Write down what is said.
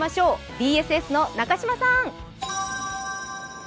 ＢＳＳの中島さん。